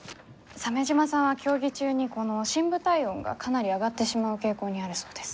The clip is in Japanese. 鮫島さんは競技中にこの深部体温がかなり上がってしまう傾向にあるそうです。